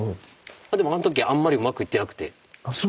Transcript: でもあんときあんまりうまくいってなくて。